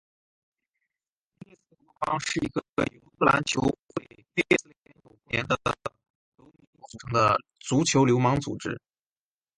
列斯联服务帮是一个由英格兰球会列斯联有关连的球迷所组成的足球流氓组织。